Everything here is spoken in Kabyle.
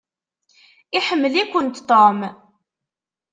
Iḥemmel-ikent Tom.